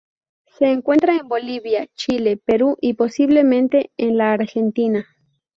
Se encuentra en Bolivia, Chile, Perú y, posiblemente, en la Argentina.